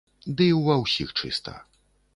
Ды і ўва ўсіх чыста.